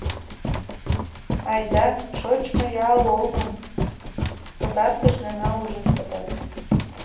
Айда, шочмо ял олмым пытартыш гана ужын кодат.